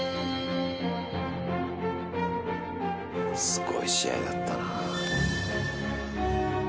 「すごい試合だったな」